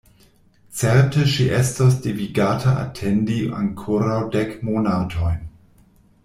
Certe ŝi estos devigata atendi ankoraŭ dek monatojn.